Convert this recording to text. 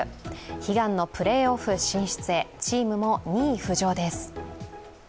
悲願のプレーオフ進出へ、チームも２位浮上です。